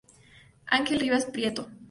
Ángel Rivas Prieto.